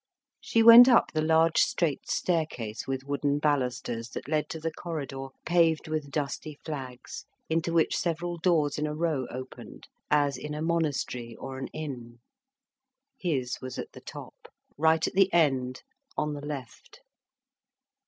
She went up the large straight staircase with wooden balusters that led to the corridor paved with dusty flags, into which several doors in a row opened, as in a monastery or an inn. His was at the top, right at the end, on the left.